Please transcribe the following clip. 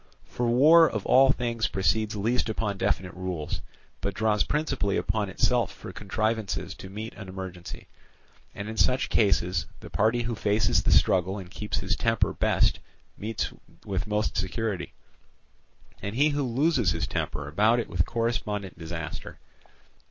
For war of all things proceeds least upon definite rules, but draws principally upon itself for contrivances to meet an emergency; and in such cases the party who faces the struggle and keeps his temper best meets with most security, and he who loses his temper about it with correspondent disaster.